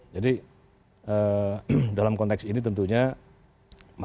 jadi dalam konteks ini tentunya mari kita menjaga persatuan kesatuan